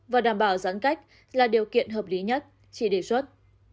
và đảm bảo giãn cách là điều kiện hợp lý nhất chỉ đề xuất